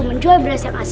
menjual beras yang asli